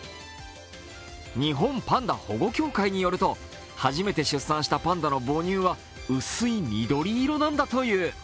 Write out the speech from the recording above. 日本パンダ保護協会によると、初めて出産したパンダの母乳は薄い緑色なんだという。